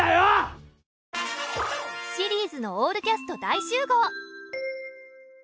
シリーズのオールキャスト大集合。